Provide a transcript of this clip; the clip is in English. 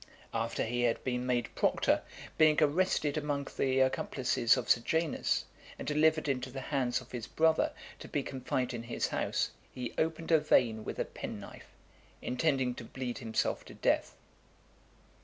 After he had been made proctor, being arrested among the accomplices of Sejanus, and delivered into the hands of his brother to be confined in his house, he opened a vein with a penknife, intending to bleed himself to death.